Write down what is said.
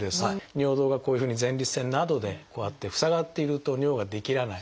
尿道がこういうふうに前立腺などでこうやって塞がっていると尿が出きらない。